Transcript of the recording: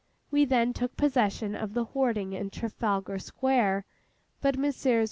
We then took possession of the hoarding in Trafalgar Square; but Messrs.